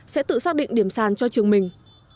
sẽ tự xác định điểm sàn cho trường mình